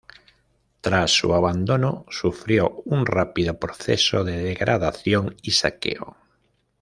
Tras su abandono, sufrió un rápido proceso de degradación y saqueo.